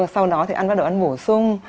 sau đó thì ăn bắt đầu ăn bổ sung